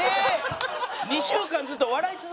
２週間ずっと笑い続けてたんや。